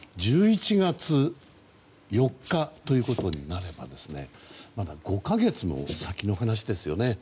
１１月４日ということになればまだ５か月も先の話ですよね。